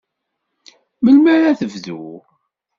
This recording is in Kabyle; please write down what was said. Melmi ara tebdu?